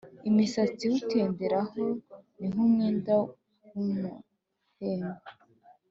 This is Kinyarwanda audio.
imisatsi iwutenderaho ni nk’umwenda w’umuhemba;